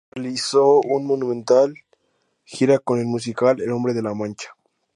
Realizó una monumental gira con el musical, "El hombre de La Mancha".